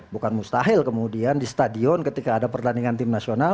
bukan mustahil kemudian di stadion ketika ada pertandingan tim nasional